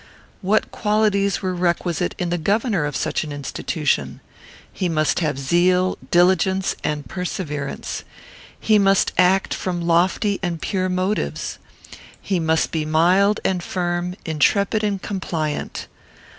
What qualities were requisite in the governor of such an institution? He must have zeal, diligence, and perseverance. He must act from lofty and pure motives. He must be mild and firm, intrepid and compliant.